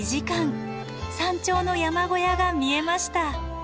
山頂の山小屋が見えました。